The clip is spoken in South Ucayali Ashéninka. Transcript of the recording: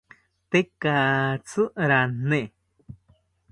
Tekatzi rane